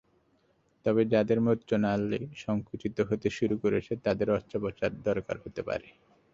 তবে যাঁদের মূত্রনািল সংকুচিত হতে শুরু করেছে তাঁদের অস্ত্রোপচার দরকার হতে পারে।